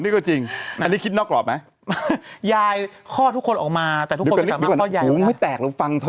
ขอให้ดูขออยากกินนี่เถอะ